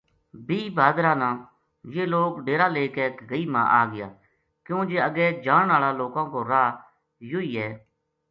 بیہہ بھادرا نا یہ لوک ڈیرا لے کے گگئی ما آ گیا کیوں جے اگے جان ہالا لوکاں کو راہ یوہ ہی ہے۔